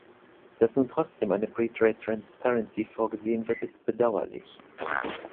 Dass nun trotzdem eine pre-trade transparency vorgesehen wird, ist bedauerlich.